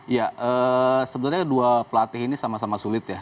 ya sebenarnya dua pelatih ini sama sama sulit ya